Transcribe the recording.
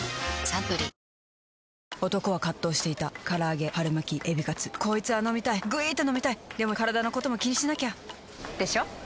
サントリー男は葛藤していた唐揚げ春巻きエビカツこいつぁ飲みたいぐいーーっと飲みたいでもカラダのことも気にしなきゃ！でしょ？